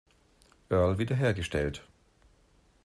Earl wiederhergestellt.